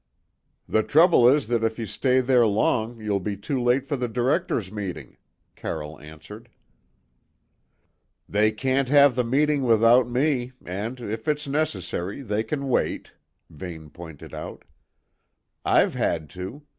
"The trouble is that if you stay there long you'll be too late for the directors' meeting," Carroll answered. "They can't have the meeting without me, and, if it's necessary, they can wait," Vane pointed out. "I've had to.